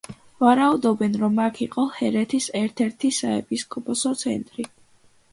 ვარაუდობენ, რომ აქ იყო ჰერეთის ერთ-ერთი საეპისკოპოსო ცენტრი.